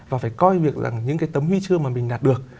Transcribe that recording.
và phải coi việc rằng những cái tấm huy chương mà mình đạt được